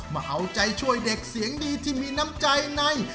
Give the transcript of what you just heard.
มาเอาใจช่วยเด็กเสียงดีที่มีน้ำใจใน